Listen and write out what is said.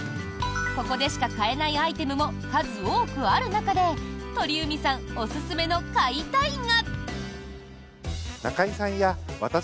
ここでしか買えないアイテムも数多くある中で鳥海さんおすすめの買いたいが。